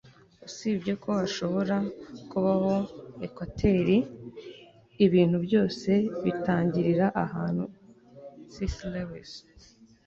usibye ko hashobora kubaho ekwateri, ibintu byose bitangirira ahantu - c s lewis